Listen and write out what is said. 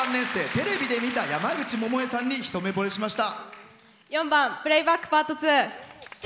テレビで見た山口百恵さんに一目ぼれしました。